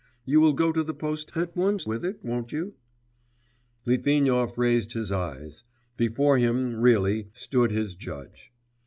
You will go to the post at once with it, won't you?' Litvinov raised his eyes.... Before him, really, stood his judge.